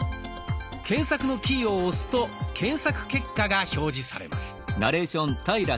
検索のキーを押すと検索結果が表示されます。